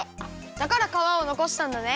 だからかわをのこしたんだね。